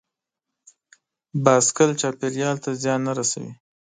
بایسکل چاپېریال ته زیان نه رسوي.